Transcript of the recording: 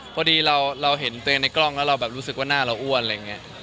พอดีเราเห็นตัวเองในกล้องแล้วเราแบบรู้สึกว่าหน้าเราอ้วนอะไรอย่างนี้